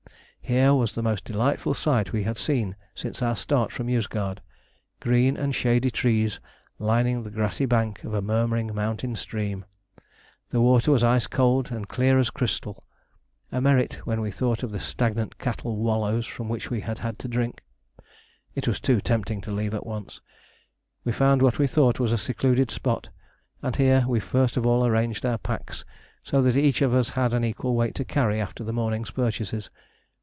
Here was the most delightful sight we had seen since our start from Yozgad: green and shady trees lining the grassy bank of a murmuring mountain stream. The water was ice cold and as clear as crystal a merit when we thought of the stagnant cattle wallows from which we had had to drink. It was too tempting to leave at once. We found what we thought was a secluded spot, and here we first of all arranged our packs so that each of us had an equal weight to carry after the morning's purchases.